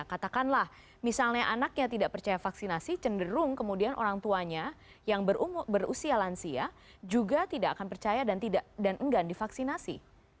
katakanlah misalnya anaknya tidak percaya vaksinasi cenderung kemudian orang tuanya yang berusia lansia juga tidak akan percaya dan enggan divaksinasi